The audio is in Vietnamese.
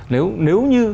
nếu nếu như